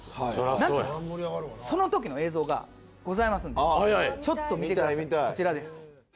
なんとそのときの映像がございますんでちょっと見てくださいこちらです。